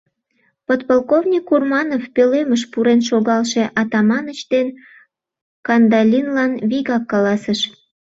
Подполковник Урманов пӧлемыш пурен шогалше Атаманыч ден Кандалинлан вигак каласыш: